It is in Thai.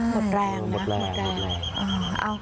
หมดแรงนะหมดแรง